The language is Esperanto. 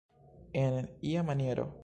En ia maniero.